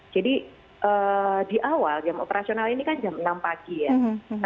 jadi di awal jam operasional ini kan jam enam pagi ya